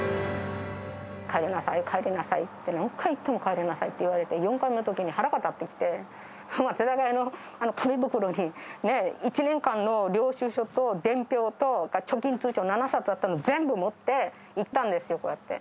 帰りなさい、帰りなさいって、何回行っても帰りなさいと言われて、４回目のときに腹が立ってきて、松坂屋の紙袋に１年間の領収書と伝票と、貯金通帳７冊あったんで、全部持って、行ったんですよ、こうやって。